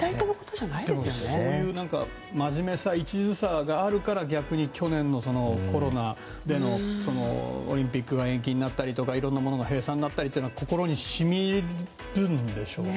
でも、そういうまじめさ一途さがあるから去年のコロナでのオリンピックが延期になったりいろんなものが閉鎖になったりっていうのが心にしみるんでしょうね。